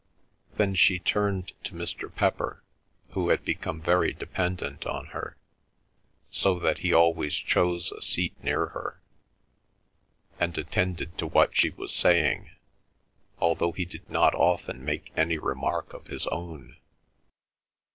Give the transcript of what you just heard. Then she turned to Mr. Pepper, who had become very dependent on her, so that he always chose a seat near her, and attended to what she was saying, although he did not often make any remark of his own.